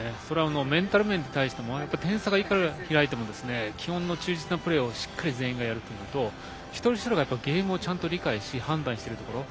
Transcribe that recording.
メンタル面に対しても点差がいくら開いても基本の忠実なプレーをしっかり全員がやるというのと一人一人がゲームを理解し判断しているところ。